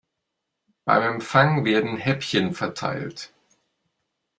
Beim Empfang werden Häppchen verteilt.